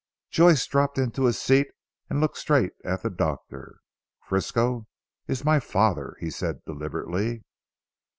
Joyce dropped into his seat and looked straight at the doctor. "Frisco is my father," he said deliberately.